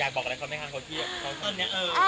อยากชวนเราไปพูดอีกข้อ